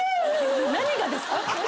何がですか？